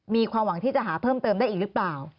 มีความหวังที่จะหาเพิ่มเติมได้อีกหรือเปล่า